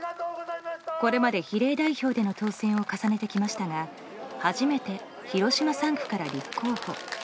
これまで比例代表での当選を重ねてきましたが初めて広島３区から立候補。